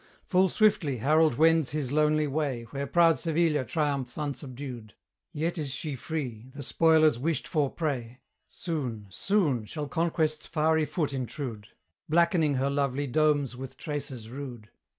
Full swiftly Harold wends his lonely way Where proud Sevilla triumphs unsubdued: Yet is she free the spoiler's wished for prey! Soon, soon shall Conquest's fiery foot intrude, Blackening her lovely domes with traces rude.